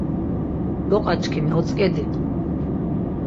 Loqaçkimi otzǩedi.